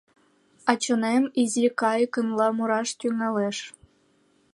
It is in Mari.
А чонем изи кайыкынла мураш тӱҥалеш.